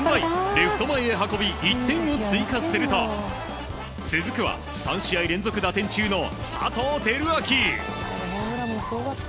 レフト前へ運び１点を追加すると続くは３試合連続打点中の佐藤輝明。